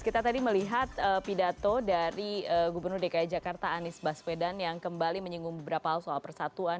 kita tadi melihat pidato dari gubernur dki jakarta anies baswedan yang kembali menyinggung beberapa hal soal persatuan